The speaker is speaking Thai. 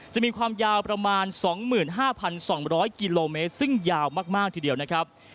จะมีความยาวประมาณ๒๕๒๐๐กิโลเมตรซึ่งยาวมากทีเดียวนะครับ